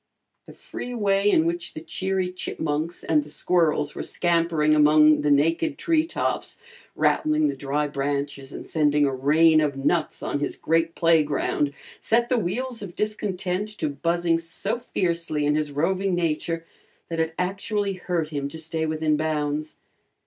The free way in which the cheery chipmunks and the squirrels were scampering among the naked tree tops, rattling the dry branches and sending a rain of nuts on his great playground, set the wheels of discontent to buzzing so fiercely in his roving nature that it actually hurt him to stay within bounds.